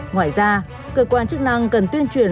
ngoài ra cơ quan chức năng cần tuyên truyền